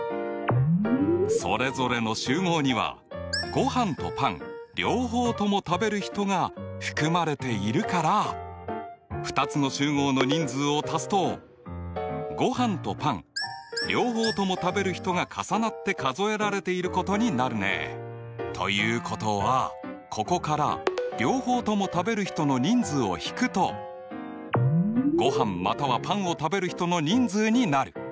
それぞれの集合にはごはんとパン両方とも食べる人が含まれているから２つの集合の人数を足すとごはんとパン両方とも食べる人が重なって数えられていることになるね。ということはここから両方とも食べる人の人数を引くとごはんまたはパンを食べる人の人数になる。